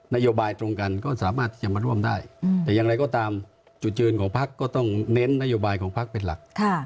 โยบายตรงกันก็สามารถที่จะมาร่วมได้แต่อย่างไรก็ตามจุดยืนของพักก็ต้องเน้นนโยบายของพักเป็นหลัก